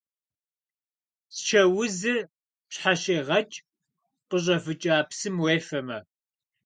Псчэ узыр пщхьэщегъэкӏ къыщӏэвыкӏа псым уефэмэ.